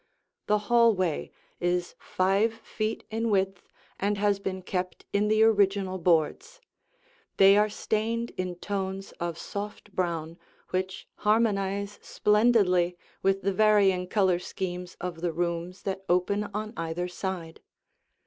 The hallway is five feet in width and has been kept in the original boards. They are stained in tones of soft brown which harmonize splendidly with the varying color schemes of the rooms that open on either side.